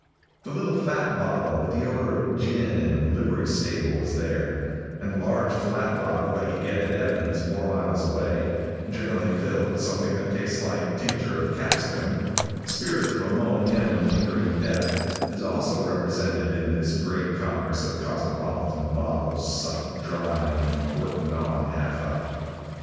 The little fat bottle with the odor of gin and livery stable was there, and the large flat bottle that you get at Evans, four miles away, generally filled with something that tastes like tincture of capsicum, spirits of ammonia and lingering death, is also represented in this great congress of cosmopolitan bottles sucked dry and the cork gnawed half up.